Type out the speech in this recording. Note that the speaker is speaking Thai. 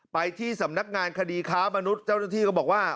ไปที่สำนักงานคดีค้ามนุษย์เจ้าหน้าที่ก็บอกว่า